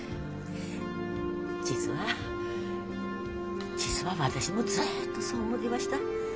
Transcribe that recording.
実は実は私もずっとそう思ってました。